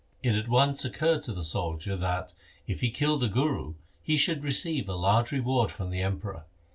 It at once occurred to the soldier, that if he killed the Guru, he should receive a large reward from the Emperor.